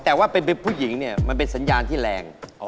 แต่ว่าเป็นผู้หญิงเนี่ยมันเป็นสัญญาณที่แรง